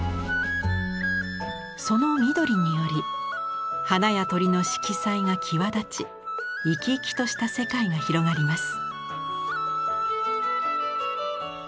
その緑により花や鳥の色彩が際立ち生き生きとした世界が広がります。